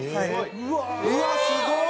うわっすごい！